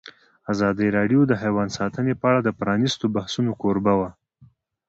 ازادي راډیو د حیوان ساتنه په اړه د پرانیستو بحثونو کوربه وه.